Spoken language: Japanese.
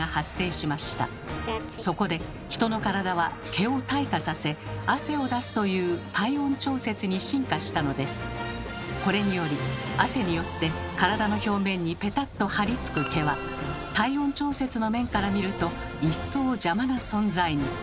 そこで人の体はこれにより汗によって体の表面にペタッとはりつく毛は体温調節の面から見ると一層邪魔な存在に。